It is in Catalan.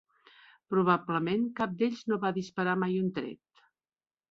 Probablement cap d'ells no va disparar mai un tret.